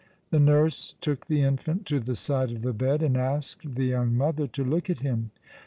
The nurse took the infant to the side of the bed, and asked the young mother to look at him.